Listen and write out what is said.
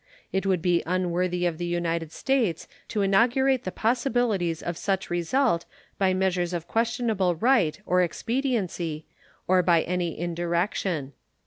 It would be unworthy of the United States to inaugurate the possibilities of such result by measures of questionable right or expediency or by any indirection.